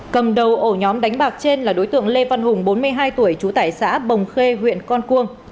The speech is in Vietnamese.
cầm đầu ổ nhóm đánh bạc trên là đối tượng lê văn hùng bốn mươi hai tuổi trú tại xã bồng khê huyện con cuông